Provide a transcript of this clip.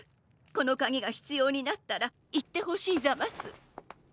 このかぎがひつようになったらいってほしいざます。